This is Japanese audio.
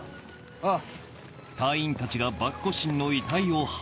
ああ。